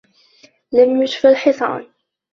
لم يشفى الحصان.